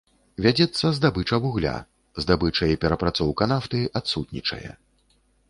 Вядзецца здабыча вугля, здабыча і перапрацоўка нафты адсутнічае.